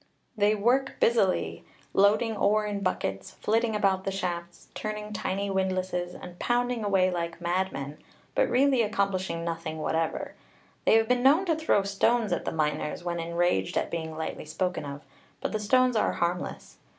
They work busily, loading ore in buckets, flitting about the shafts, turning tiny windlasses, and pounding away like madmen, but really accomplishing nothing whatever. They have been known to throw stones at the miners, when enraged at being lightly spoken of; but the stones are harmless.